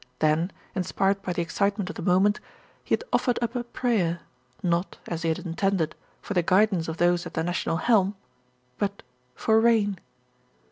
Then, inspired by the excitement of the moment, he had offered up a prayer, not, as he had intended, for the guidance of those at the national helm; but for rain!